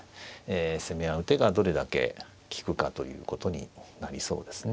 攻め合う手がどれだけ利くかということになりそうですね。